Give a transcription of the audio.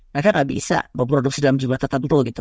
mereka nggak bisa memproduksi dalam jumlah tertentu gitu